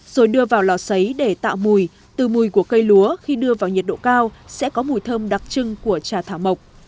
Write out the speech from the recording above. rồi đưa vào lò xấy để tạo mùi từ mùi của cây lúa khi đưa vào nhiệt độ cao sẽ có mùi thơm đặc trưng của trà thảo mộc